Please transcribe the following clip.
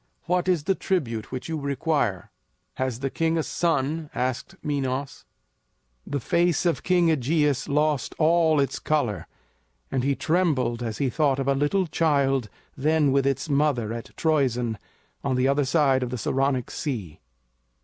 What is the tribute which you require?" "Has the king a son?" asked Minos. The face of King AEgeus lost all its color and he trembled as he thought of a little child then with its mother at Troezen, on the other side of the Saronic Sea.